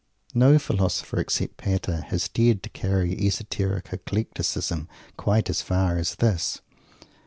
No Philosopher except Pater has dared to carry Esoteric Eclecticism quite as far as this.